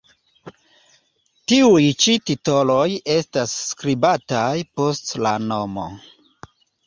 Tiuj ĉi titoloj estas skribataj post la nomo.